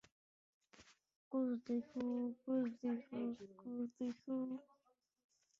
И вы должны быть на высоте этой стоящей перед вами задачи.